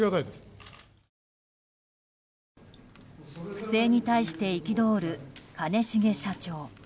不正に対して憤る兼重社長。